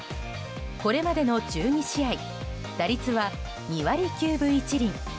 これまでの１２試合打率は２割９分１厘。